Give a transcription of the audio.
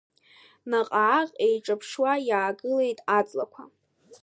Наҟ-ааҟ еиҿаԥшуа иаагылеит аҵлақәа…